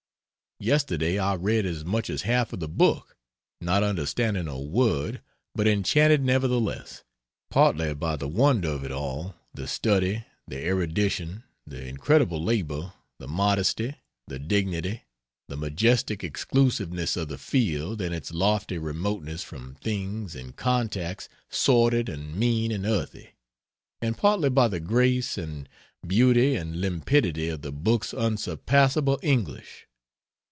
Yesterday I read as much as half of the book, not understanding a word but enchanted nevertheless partly by the wonder of it all, the study, the erudition, the incredible labor, the modesty, the dignity, the majestic exclusiveness of the field and its lofty remoteness from things and contacts sordid and mean and earthy, and partly by the grace and beauty and limpidity of the book's unsurpassable English.